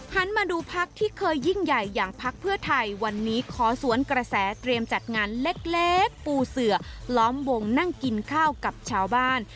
มาดูพักที่เคยยิ่งใหญ่อย่างพักเพื่อไทยวันนี้ขอสวนกระแสเตรียมจัดงานเล็กปูเสือล้อมวงนั่งกินข้าวกับชาวบ้าน